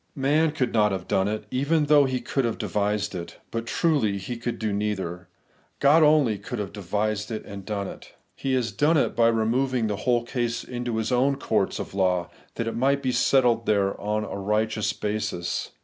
Man could not have done it, even though he could have devised it. But truly he could do neither. God only could have devised and done it. . He has done it by removing the whole case into His own courts of law, that it might be settled there on a righteous basis.